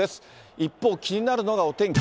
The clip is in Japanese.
一方、気になるのがお天気。